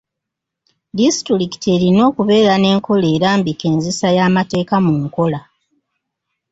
Disitulikiti erina okubeera n'enkola erambika enzisa y' amateeka mu nkola.